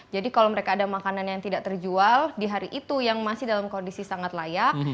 jadi kalau mereka ada makanan yang tidak terjual di hari itu yang masih dalam kondisi sangat layak